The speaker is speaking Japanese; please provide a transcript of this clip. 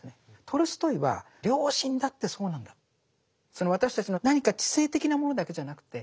トルストイは良心だってそうなんだって。